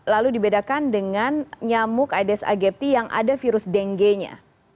lalu dibedakan dengan nyamuk aedes aegypti yang ada virus dengue nya